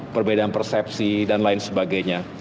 perbedaan persepsi dan lain sebagainya